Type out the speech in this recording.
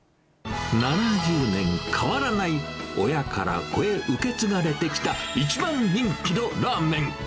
７０年変わらない、親から子へ受け継がれてきた一番人気のラーメン。